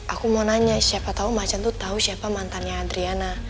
aku mau nanya siapa tau ma can tuh tau siapa mantannya adriana